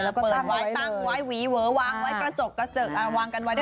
แล้วก็ตั้งไว้ตั้งไว้หวีเวอวางไว้กระจกกระจก